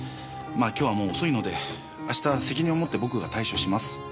まあ今日はもう遅いので明日責任を持って僕が対処します。